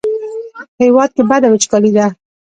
په هېواد کې بده وچکالي ده.